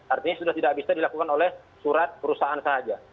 artinya sudah tidak bisa dilakukan oleh surat perusahaan saja